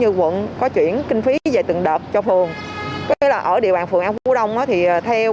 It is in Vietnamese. như quận có chuyển kinh phí về từng đợt cho phường tức là ở địa bàn phường an phú đông thì theo